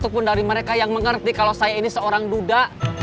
ataupun dari mereka yang mengerti kalau saya ini seorang duda